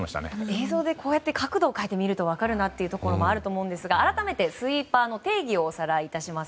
映像でこうやって角度を変えてみると分かるなというところもあると思うんですが改めてスイーパーの定義をおさらいしていきます。